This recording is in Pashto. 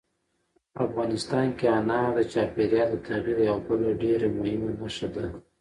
افغانستان کې انار د چاپېریال د تغیر یوه بله ډېره مهمه نښه ده.